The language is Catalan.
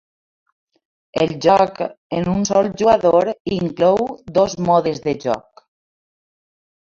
El joc en un sol jugador inclou dos modes de joc.